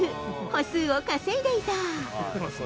歩数を稼いでいた。